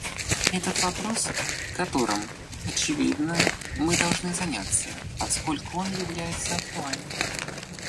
Это вопрос, которым, очевидно, мы должны заняться, поскольку он является актуальным.